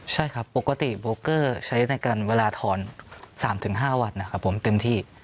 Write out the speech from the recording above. ใช่ครับปกติโบเกอร์ใช้ในการเวลาถอน๓๕วันนะครับผมเต็มที่